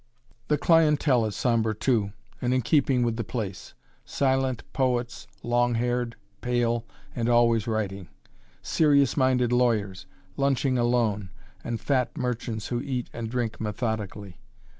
The clientèle is somber too, and in keeping with the place; silent poets, long haired, pale, and always writing; serious minded lawyers, lunching alone, and fat merchants who eat and drink methodically.